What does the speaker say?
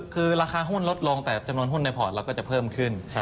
คือราคาหุ้นลดลงแต่จำนวนหุ้นในพอร์ตเราก็จะเพิ่มขึ้น